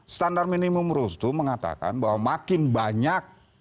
standar minimum rules itu mengatakan bahwa makin banyak